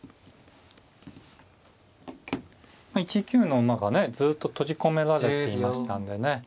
１九の馬がねずっと閉じ込められていましたんでね